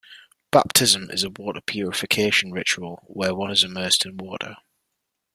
Baptism is a water purification ritual where one is immersed in water.